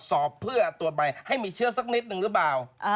สอบเพื่อตรวจใบให้มีเชื้อสักนิดนึงหรือเปล่า